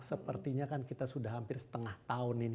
sepertinya kan kita sudah hampir setengah tahun ini